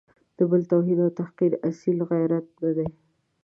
د بل توهین او تحقیر اصیل غیرت نه دی.